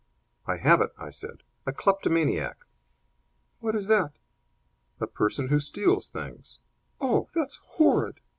"I have it!" I said. "A kleptomaniac." "What is that?" "A person who steals things." "Oh, that's horrid."